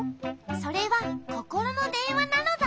それはココロのでんわなのだ。